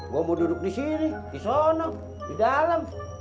gua mau duduk disini disana di dalam